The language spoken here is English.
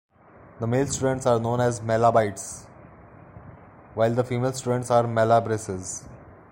The male students are known as Malabites, while the female students are Malabresses.